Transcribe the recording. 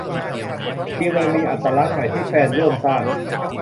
ทีมเลยมีอัตลักษณ์ใหม่ ที่แฟนร่วมสร้าง